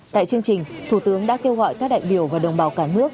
tại chương trình thủ tướng đã kêu gọi các đại biểu và đồng bào cả nước